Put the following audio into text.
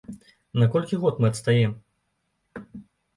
На колькі год мы адстаем?